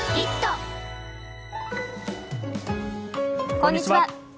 こんにちは。